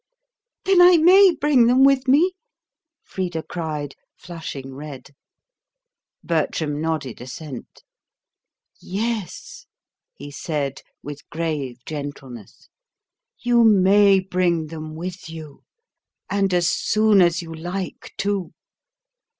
"Then I may bring them with me?" Frida cried, flushing red. Bertram nodded assent. "Yes," he said, with grave gentleness. "You may bring them with you. And as soon as you like, too.